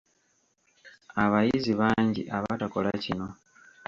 Abayizi bangi abatakola kino.